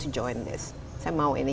saya ingin bergabung dengan ini